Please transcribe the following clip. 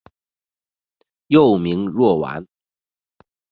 幼名若丸。